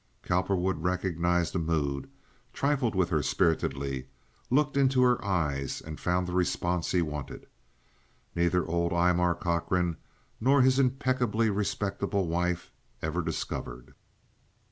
Cowperwood recognized the mood, trifled with her spiritedly, looked into her eyes, and found the response he wanted. Neither old Aymar Cochrane nor his impeccably respectable wife ever discovered.